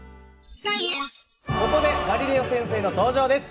ここでガリレオ先生の登場です。